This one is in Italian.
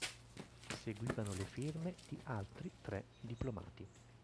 Seguivano le firme di altri tre diplomati.